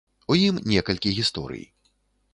У ім некалькі гісторый.